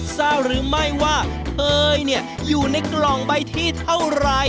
เศร้าหรือไม่ว่าเฮ้ยเนี่ยอยู่ในกล่องใบที่เท่าไหร่